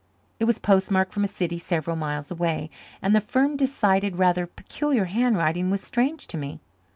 It was postmarked from a city several miles away, and the firm, decided, rather peculiar handwriting was strange to me.